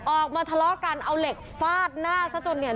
ออกมาทะเลาะกันเอาเหล็กฟาดหน้าซะจนเนี่ย